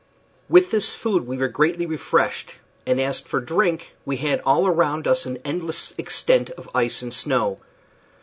With this food we were greatly refreshed; and as for drink, we had all around us an endless extent of ice and snow.